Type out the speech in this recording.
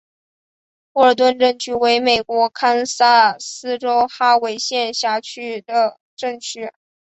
沃尔顿镇区为美国堪萨斯州哈维县辖下的镇区。